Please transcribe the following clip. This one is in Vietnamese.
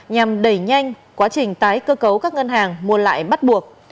nhằm đẩy nhanh quá trình tái cơ cấu các ngân hàng mua lại bắt buộc